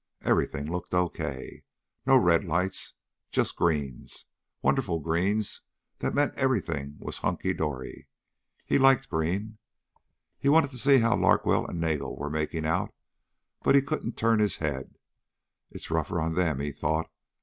Everything looked okay. No red lights. Just greens. Wonderful greens that meant everything was hunky dory. He liked green. He wanted to see how Larkwell and Nagel were making out but couldn't turn his head. It's rougher on them, he thought.